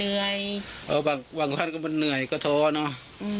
บางวันก็มันเหนื่อยก็ท้อเนอะ